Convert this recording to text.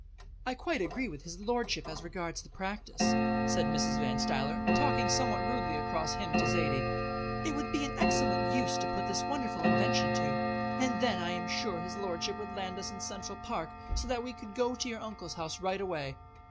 "I quite agree with his lordship as regards the practice," said Mrs. Van Stuyler, talking somewhat rudely across him to Zaidie. "It would be an excellent use to put this wonderful invention to. And then, I am sure his lordship would land us in Central Park, so that we could go to your Uncle's house right away."